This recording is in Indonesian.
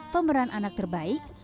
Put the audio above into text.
pemeran anak terbaik